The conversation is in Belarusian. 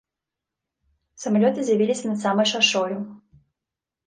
Самалёты з'явіліся над самай шашою.